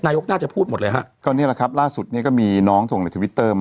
นายกน่าจะพูดหมดเลยฮะก็นี่แหละครับล่าสุดเนี้ยก็มีน้องส่งในทวิตเตอร์มา